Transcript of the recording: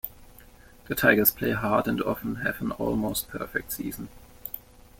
The Tigers play hard and often have an almost perfect season.